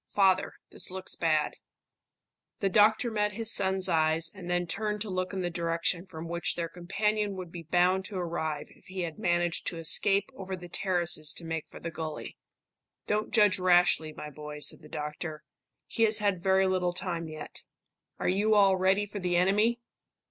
Father, this looks bad." The doctor met his son's eyes, and then turned to look in the direction from which their companion would be bound to arrive if he had managed to escape over the terraces to make for the gully. "Don't judge rashly, my boy," said the doctor. "He has had very little time yet. Are you all ready for the enemy?"